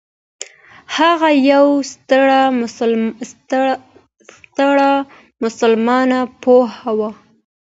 هغه یو ستر مسلمان پوه و.